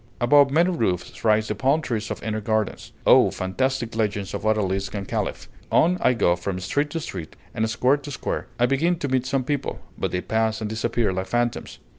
Above many roofs rise the palm trees of inner gardens. Oh, fantastic legends of Odalisk and Caliph! On I go from street to street, and square to square; I begin to meet some people, but they pass and disappear like phantoms.